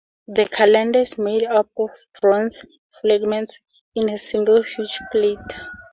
The calendar is made up of bronze fragments, in a single huge plate.